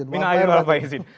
minah air walaupun izin